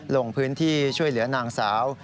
ลงพื้นที่ช่วยเหลือนางสาว